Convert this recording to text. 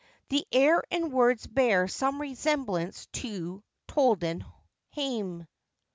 The air and words bear some resemblance to Todlen Hame.